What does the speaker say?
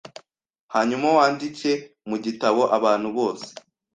hanyuma wandike Mu gitabo abantu bose